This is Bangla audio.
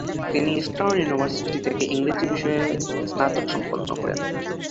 তিনি ইস্টার্ন ইউনিভার্সিটি থেকে ইংরেজি বিষয়ে স্নাতক সম্পন্ন করেন।